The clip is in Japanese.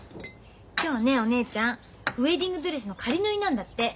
今日ねお姉ちゃんウエディングドレスの仮縫いなんだって。